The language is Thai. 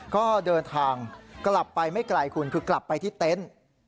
ก็เดินทางกลับไปไม่ไกลคุณคือกลับไปที่เต็นต์